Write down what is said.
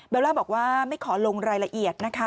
ล่าบอกว่าไม่ขอลงรายละเอียดนะคะ